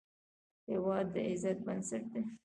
هېواد د عزت بنسټ دی.